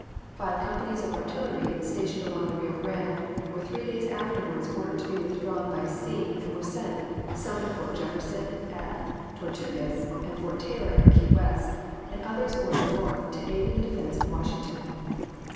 Five com panies of artillery, stationed along the Rio G rande, were three days afterwards ordered to be withdrawn by sea, and were sent, some to Fort Jefferson at Tortugas, and Fort Taylor at Key West, and others ordered north to aid in the defense of Washington.